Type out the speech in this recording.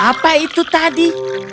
apa itu tadi